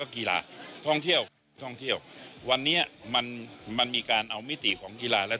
กีฬาท่องเที่ยวท่องเที่ยววันนี้มันมันมีการเอามิติของกีฬาและ